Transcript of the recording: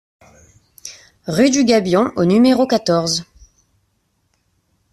Rue du Gabion au numéro quatorze